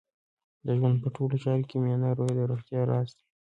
د ژوند په ټولو چارو کې میانه روی د روغتیا راز دی.